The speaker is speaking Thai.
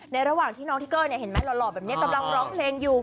ระหว่างที่น้องทิเกอร์เห็นไหมหล่อแบบนี้กำลังร้องเพลงอยู่